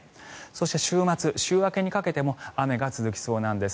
そして、週末、週明けにかけても雨が続きそうなんです。